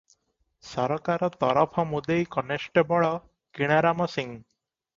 ସରକାର ତରଫ ମୁଦେଇ କନେଷ୍ଟବଳ କିଣାରାମ ସିଂ ।